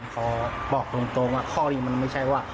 ขอบอกตรงว่าข้อนี้มันไม่ใช่ว่า